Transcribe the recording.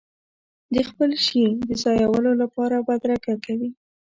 د خپل شي د ځایولو لپاره بدرګه کوي.